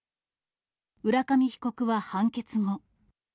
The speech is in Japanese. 浦上被告は判決後。